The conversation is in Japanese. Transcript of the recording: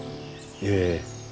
ええ。